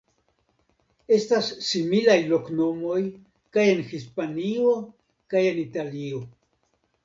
Estas similaj loknomoj kaj en Hispanio kaj en Italio.